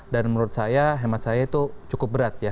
dan menurut saya hemat saya itu cukup berat ya